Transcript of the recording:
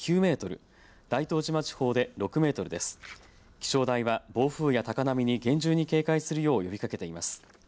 気象台は暴風や高波に厳重に警戒するよう呼びかけています。